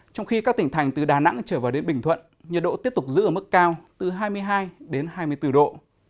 trong khi các tỉnh thành từ đà nẵng trở vào đến bình thuận nhiệt độ tiếp tục giữ ở mức cao từ hai mươi hai đến hai mươi bốn độ